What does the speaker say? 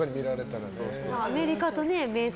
アメリカと迷彩